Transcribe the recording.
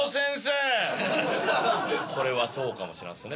これはそうかもしらんっすね。